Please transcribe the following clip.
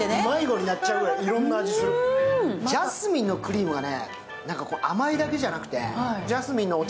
ジャスミンのクリームが甘いだけじゃなくてジャスミンのお茶